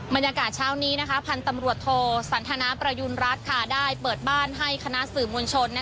บรรยากาศเช้านี้พันธุ์ตำรวจโทสันทนาประยุณรัฐได้เปิดบ้านให้คณะสื่อมวลชน